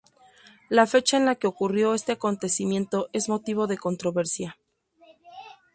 La fecha en la que ocurrió este acontecimiento es motivo de controversia.